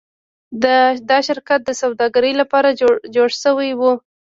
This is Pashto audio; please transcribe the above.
دا شرکت د سوداګرۍ لپاره جوړ شوی و.